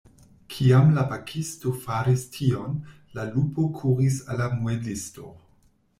Kiam la bakisto faris tion, la lupo kuris al la muelisto.